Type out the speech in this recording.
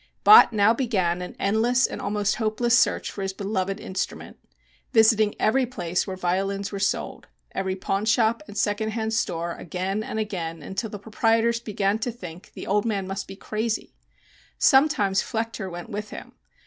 Bott now began an endless and almost hopeless search for his beloved instrument, visiting every place where violins were sold, every pawnshop and second hand store again and again until the proprietors began to think the old man must be crazy. Sometimes Flechter went with him.